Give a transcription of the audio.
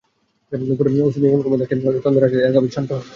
পরে ওসি বিমান কুমার দাশ ঘটনাটি তদন্তের আশ্বাস দিলে এলাকাবাসী শান্ত হন।